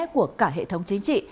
của cả hệ thống chính trị